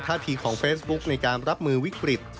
ทีของเฟซบุ๊กในการรับมือวิกฤต